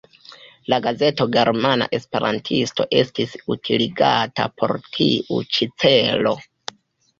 La gazeto "Germana Esperantisto" estis utiligata por tiu ĉi celo.